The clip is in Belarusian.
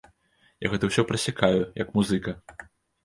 Я гэта ўсё прасякаю, як музыка.